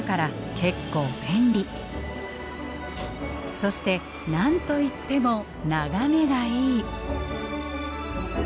そして何と言っても眺めがいい！